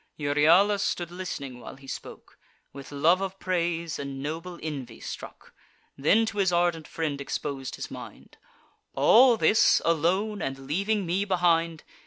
Euryalus stood list'ning while he spoke, With love of praise and noble envy struck; Then to his ardent friend expos'd his mind: "All this, alone, and leaving me behind!